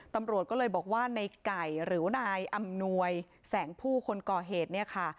ตำรวจก็เลยบอกว่าในไก่หรือว่านายอำนวยแสงผู้คนก่อเหตุเนี่ยค่ะ